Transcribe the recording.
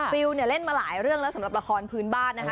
ฟิลเนี่ยเล่นมาหลายเรื่องแล้วสำหรับละครพื้นบ้านนะคะ